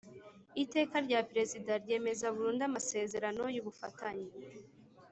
Iteka rya Perezida ryemeza burundu amasezerano y’ubufatanye